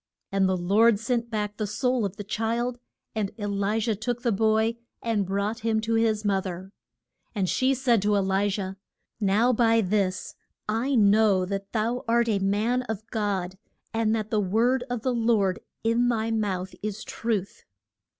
And the Lord sent back the soul of the child, and E li jah took the boy and brought him to his moth er. And she said to E li jah, Now by this I know that thou art a man of God, and that the word of the Lord in thy mouth is truth.